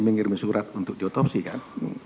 mengirim surat untuk diotopsi kan